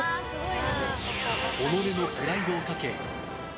己のプライドをかけ。